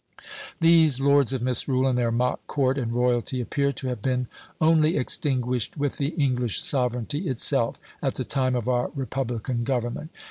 These "Lords of Misrule," and their mock court and royalty, appear to have been only extinguished with the English sovereignty itself, at the time of our republican government.